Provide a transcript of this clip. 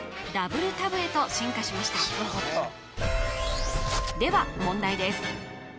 Ｗタブへと進化しましたでは問題です